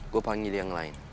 gue panggil yang lain